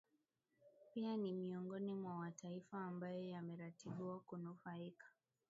pia ni miongoni mwa mataifa ambayo yameratibiwa kunufaika